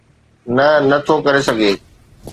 نه، نه ٿو ڪري سگھجي.